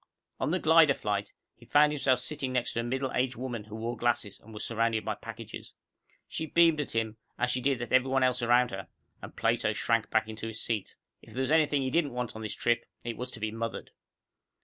On the glider flight, he found himself sitting next to a middle aged woman who wore glasses and was surrounded by packages. She beamed at him, as she did at every one else around her, and Plato shrank back into his seat. If there was anything he didn't want on this trip, it was to be mothered.